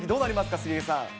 杉江さん。